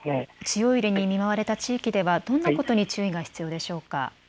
強い揺れに見舞われた地域ではどんなことに注意が必要でしょうか。